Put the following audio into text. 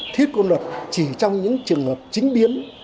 thiết quân luật chỉ trong những trường hợp chính biến